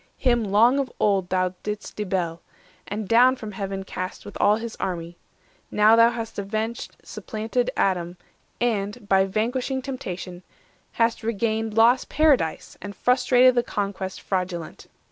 Him long of old Thou didst debel, and down from Heaven cast With all his army; now thou hast avenged Supplanted Adam, and, by vanquishing Temptation, hast regained lost Paradise, And frustrated the conquest fraudulent.